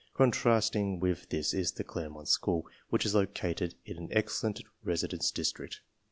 "Contrasting with this is the Claremont SchQoL which is located in an excellent residence district.